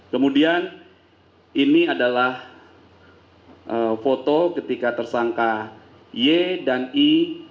kemudian ini adalah foto ketika tersangka y dan i